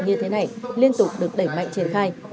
như thế này liên tục được đẩy mạnh triển khai